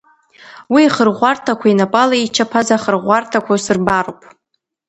Уи ихырӷәӷәарҭақәа, инапала ичаԥаз ахырӷәӷәарҭақәа усырбароуп.